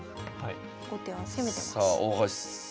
後手は攻めてます。